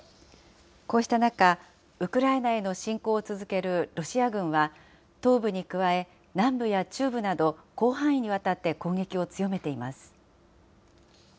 こうした中、ウクライナへの侵攻を続けるロシア軍は、東部に加え南部や中部など、広範囲にわたって攻撃を強めています。